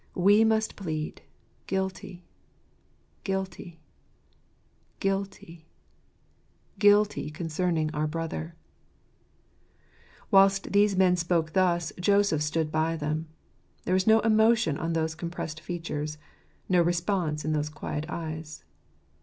We must plead, " Guilty ! guilty ! guilty ! guilty concerning our Brother !" Whilst these men spoke thus, Joseph stood by them. There was no emotion on those compressed features, no response in those quiet eyes.